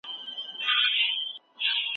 هورمون د خوب او ویښې حالت تنظیموي.